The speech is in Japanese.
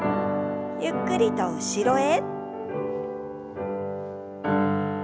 ゆっくりと後ろへ。